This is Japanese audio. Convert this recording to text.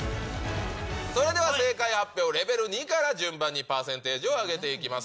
それでは正解発表、レベル２から順番にパーセンテージを上げていきます。